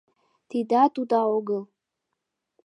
— Тидат уда огыл.